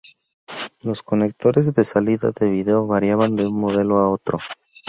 Los conectores de salida de video variaban de un modelo a otro.